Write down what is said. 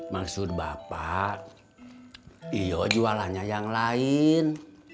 maksud bapak iya jualannya yang lain